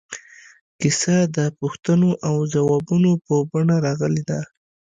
کیسه د پوښتنو او ځوابونو په بڼه راغلې ده.